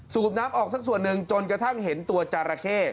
น้ำออกสักส่วนหนึ่งจนกระทั่งเห็นตัวจราเข้